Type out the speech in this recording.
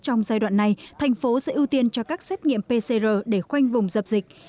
trong giai đoạn này thành phố sẽ ưu tiên cho các xét nghiệm pcr để khoanh vùng dập dịch